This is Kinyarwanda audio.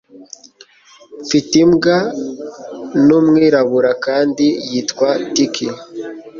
Mfite imbwa. Ni umwirabura kandi yitwa Tiki.